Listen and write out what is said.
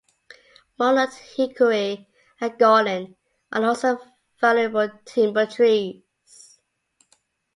Walnut, hickory, and gaulin are also valuable timber trees.